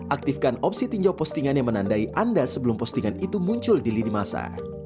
aktifkan opsi tinjau postingan yang menandai anda sebelum postingan itu muncul di lini masa